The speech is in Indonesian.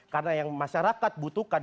karena yang masyarakat butuhkan